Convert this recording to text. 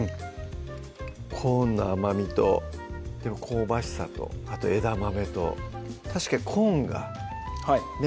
コーンの甘みとでも香ばしさとあと枝豆と確かにコーンがね